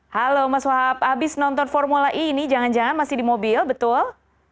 halo mas wahab abis nonton formula e ini jangan jangan masih di mobil betul